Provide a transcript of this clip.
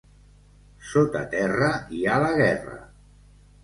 Sota terra hi ha la guerra.